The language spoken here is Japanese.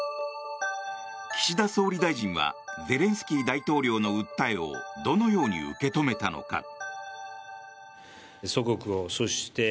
岸田総理大臣はゼレンスキー大統領の訴えをどのように受け止めたのか。